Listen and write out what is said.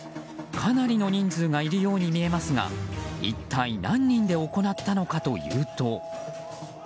かなりの人数がいるように見えますが一体何人で行ったのかというと。